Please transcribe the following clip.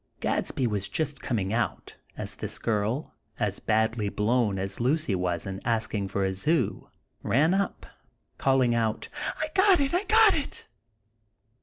Gadsby was just coming out, as this girl, as badly blown as Lucy was in asking for a zoo, ran up, calling out: "I GOT IT!! I GOT IT!!"